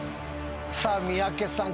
さあ三宅さん。